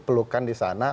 pelukan di sana